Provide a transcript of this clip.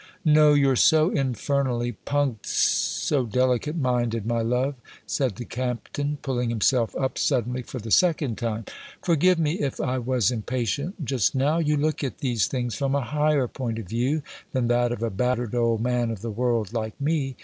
"No, you're so infernally punct so delicate minded, my love," said the Captain, pulling himself up suddenly, for the second time. "Forgive me if I was impatient just now. You look at these things from a higher point of view than that of a battered old man of the world like me.